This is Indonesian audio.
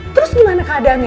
terus gimana keadaannya